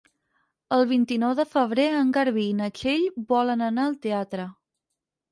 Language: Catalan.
El vint-i-nou de febrer en Garbí i na Txell volen anar al teatre.